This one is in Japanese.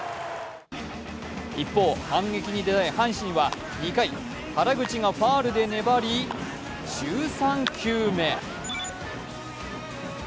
一方、反撃に出たい阪神は２回原口がファウルで粘り１３球目。